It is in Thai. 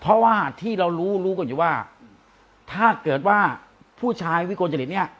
เพราะว่าที่เรารู้รู้กันอยู่ว่าถ้าเกิดว่าผู้ชายวิกลจริตเนี่ย